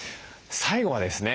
最後はですね